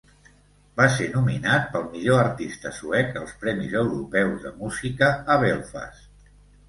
Va ser nominat pel millor artista suec als premis europeus de música a Belfast.